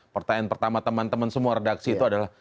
pertanyaan pertama teman teman semua redaksi itu adalah